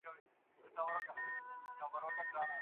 مور ته په قهر نه کتل کېږي.